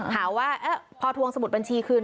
หาว่าพอทวงสมุดบัญชีคืน